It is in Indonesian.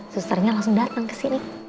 susternya langsung datang kesini